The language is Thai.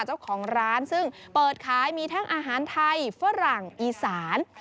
เจ้าของร้านซึ่งเปิดขายมีทั้งอาหารไทยฝรั่งอีสาน